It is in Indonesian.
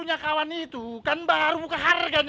dia sampai kedepan orang istri mango